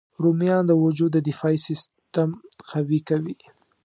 رومیان د وجود دفاعي سیسټم قوي کوي